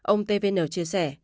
ông tvn chia sẻ